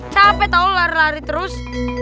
capek tau lari lari terus